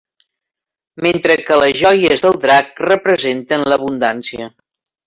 Mentre que les joies del drac representen l'abundància.